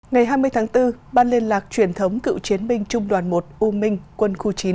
ngày hai mươi tháng bốn ban liên lạc truyền thống cựu chiến binh trung đoàn một u minh quân khu chín